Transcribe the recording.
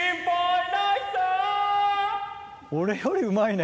俺よりうまいね。